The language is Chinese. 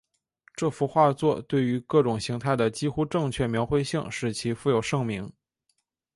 这幅画作对于各种形态的几乎正确描绘性使其负有盛名。